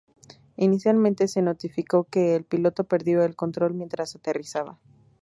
Inicialmente se notificó que el piloto perdió el control mientras aterrizaba.